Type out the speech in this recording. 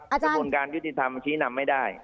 กระบวนการยุติธรรมชี้นำไม่ได้